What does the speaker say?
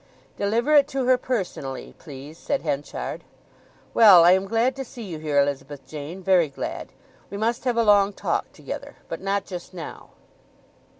"Deliver it to her personally, please," said Henchard. "Well, I am glad to see you here, Elizabeth Jane—very glad. We must have a long talk together—but not just now."